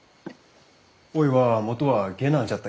おいは元は下男じゃったけん。